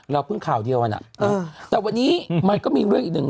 เพิ่งข่าวเดียวกันแต่วันนี้มันก็มีเรื่องอีกหนึ่ง